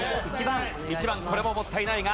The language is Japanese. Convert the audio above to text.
これももったいないが。